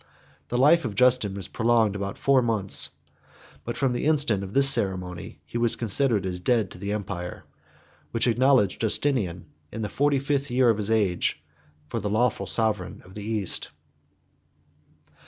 The life of Justin was prolonged about four months; but from the instant of this ceremony, he was considered as dead to the empire, which acknowledged Justinian, in the forty fifth year of his age, for the lawful sovereign of the East.